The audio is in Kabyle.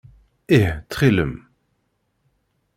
Ih ttxil-m.